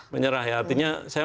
menyerah artinya saya